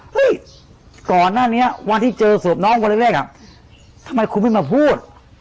ก่อนหน้านี้วันที่เจอศพน้องวันแรกอ่ะทำไมคุณไม่มาพูด